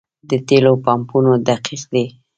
د تیلو پمپونه دقیق دي؟